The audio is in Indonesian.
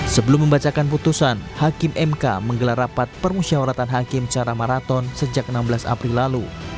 sebelum membacakan putusan hakim mk menggelar rapat permusyawaratan hakim secara maraton sejak enam belas april lalu